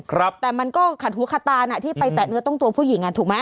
ครับแต่มันก็ขัดหูขัดตานอ่ะที่ไปแตะเนื้อต้องตัวผู้หญิงอ่ะถูกไหม